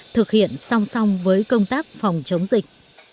thực hiện song song với công tác phòng chống dịch